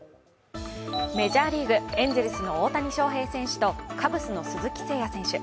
メジャーリーグ、エンゼルスの大谷翔平選手とカブスの鈴木誠也選手。